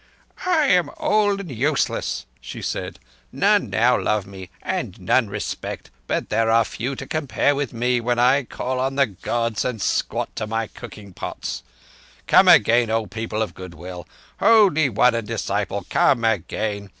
"I am old and useless," she said. "None now love me—and none respect—but there are few to compare with me when I call on the Gods and squat to my cooking pots. Come again, O people of good will. Holy One and disciple, come again.